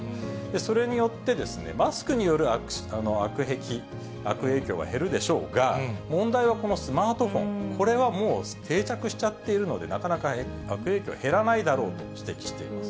それによって、マスクによる悪癖、悪影響は減るでしょうが、問題はこのスマートフォン、これはもう定着しちゃってるので、なかなか悪影響減らないだろうと指摘しています。